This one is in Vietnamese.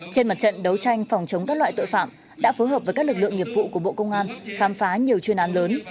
trên mặt trận đấu tranh phòng chống các loại tội phạm đã phối hợp với các lực lượng nghiệp vụ của bộ công an khám phá nhiều chuyên án lớn